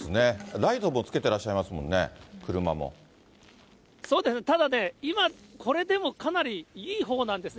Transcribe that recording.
ライトもつけてらっしゃいますもそうですね、ただね、今これでもかなりいいほうなんですね。